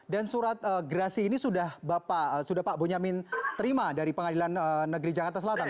dan surat gerasi ini sudah pak bunyamin terima dari pengadilan negeri jangan terselatan